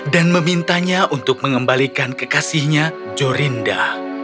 dan memintanya untuk mengembalikan kekasihnya jorinda